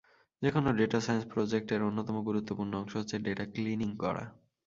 যেকোনো data science project এর অন্যতম গুরুত্বপূর্ণ অংশ হচ্ছে ডেটা ক্লিনিং করা।